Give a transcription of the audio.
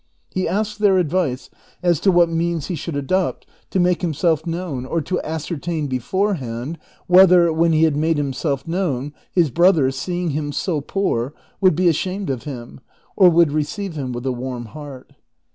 He asked their advice as to Avhat mea, ns he should adopt to make himself 362 DON QUIXOTE. known, or to ascertain beforehand whether, when he had made himself known, his brother, seeing him so poor, woukl be ashamed of him, or wonld receive him with a warm heart.